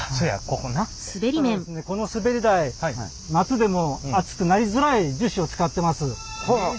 このすべり台夏でも熱くなりづらい樹脂を使ってます。